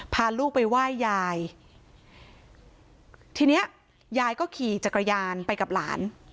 พาลูกไปไหว้ยายทีเนี้ยยายก็ขี่จักรยานไปกับหลาน